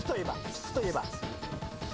質といえば。